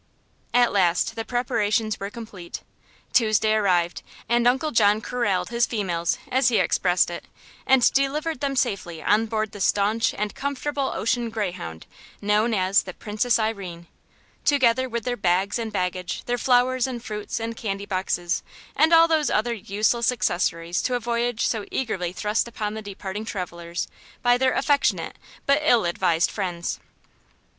At last the preparations were complete. Tuesday arrived, and Uncle John "corralled his females," as he expressed it, and delivered them safely on board the staunch and comfortable ocean greyhound known as the "Princess Irene," together with their bags and baggage, their flowers and fruits and candy boxes and all those other useless accessories to a voyage so eagerly thrust upon the departing travellers by their affectionate but ill advised friends.